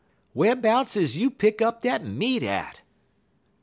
_ Whar'bouts is you pick up dat meat at?'